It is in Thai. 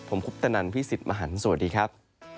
ผมคุปตนันพี่สิทธิ์มหันฯสวัสดีครับ